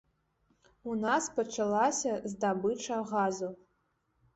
У нас пачалася здабыча газу.